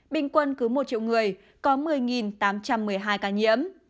bình quân cứ một triệu người có một mươi tám trăm một mươi hai ca nhiễm